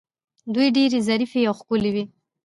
دوی ډیرې ظریفې او ښکلې وې